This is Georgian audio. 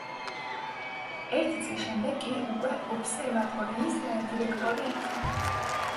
ერთი წლის შემდეგ კი უკვე ობსერვატორიის დირექტორი იყო.